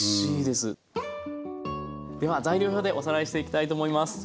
では材料表でおさらいしていきたいと思います。